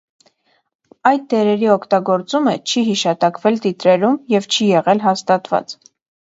Այդ դերերի օգտագործումը չի հիշատակվել տիտրերում և չի եղել հաստատված։